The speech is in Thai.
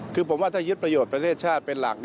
คือผมว่าถ้ายึดประโยชน์ประเทศชาติเป็นหลัก